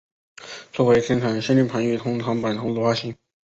初回生产限定盘与通常版同时发行。